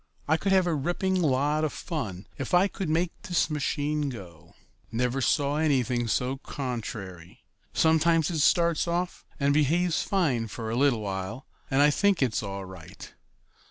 I could have a ripping lot of fun if I could make this machine go. Never saw anything so contrary. Sometimes it starts off and behaves fine for a little while, and I think it's all right.